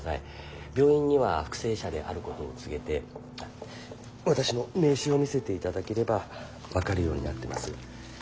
病院には復生者であることを告げて私の名刺を見せていただければ分かるようになってます。